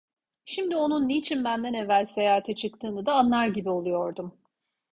Şimdi onun niçin benden evvel seyahate çıktığını da anlar gibi oluyordum.